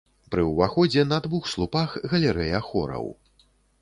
Пры ўваходзе на двух слупах галерэя хораў.